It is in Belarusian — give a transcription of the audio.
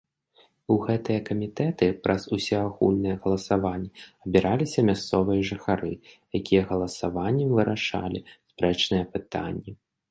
У гэтыя камітэты праз усеагульнае галасаванне абіраліся мясцовыя жыхары, якія галасаваннем вырашалі спрэчнае пытанне.